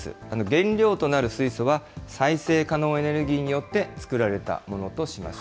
原料となる水素は再生可能エネルギーによって作られたものとします。